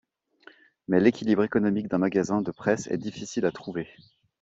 Mais l'équilibre économique d'un magasin de presse est difficile à trouver.